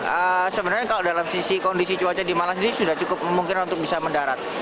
ya sebenarnya kalau dalam sisi kondisi cuaca di malang sendiri sudah cukup memungkinkan untuk bisa mendarat